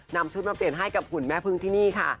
นำชุดมาเปลี่ยนให้กับหุ่นแม่พึ่งที่นี่ค่ะ